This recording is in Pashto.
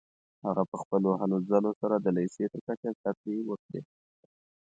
هغه په خپلو هلو ځلو سره د لیسې تر کچې زده کړې وکړې.